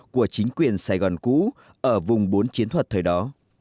của chính quyền sài gòn cũ ở vùng bốn chiến thuật thời đó